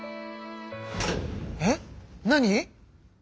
えっ何？